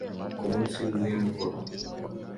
Ku munsi w'imvura